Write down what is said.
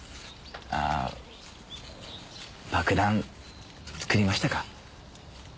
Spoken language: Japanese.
あ爆弾作りましたか？